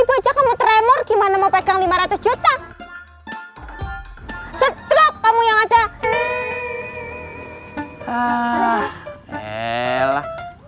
ibu aja kamu tremor gimana mau pegang lima ratus juta setlok kamu yang ada